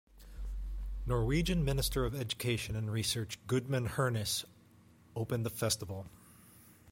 Norwegian Minister of Education and Research Gudmund Hernes opened the festival.